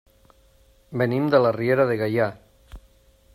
Venim de la Riera de Gaià.